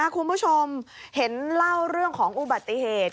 คุณผู้ชมเห็นเล่าเรื่องของอุบัติเหตุ